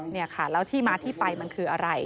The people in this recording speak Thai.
นี่ค่ะแล้วที่มาที่ไปมันคืออะไร